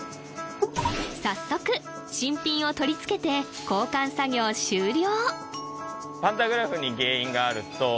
早速新品を取り付けて交換作業終了